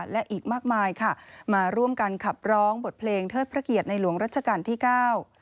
และอีกมากมายค่ะมาร่วมกันขับร้องบทเพลงเทิดพระเกียรติในหลวงรัชกาลที่เก้า